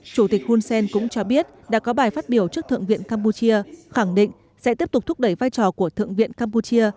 chủ tịch hun sen cũng cho biết đã có bài phát biểu trước thượng viện campuchia khẳng định sẽ tiếp tục thúc đẩy vai trò của thượng viện campuchia